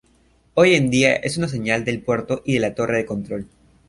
Hoy en día es una señal del puerto y de la torre de control.